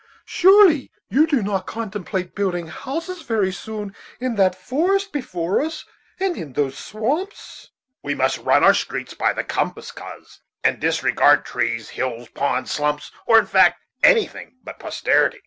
Surely you do not contemplate building houses, very soon, in that forest before us, and in those swamps." "We must run our streets by the compass, coz, and disregard trees, hills, ponds, stumps, or, in fact, anything but posterity.